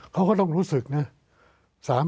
เขาก็ต้องรู้สึกนะ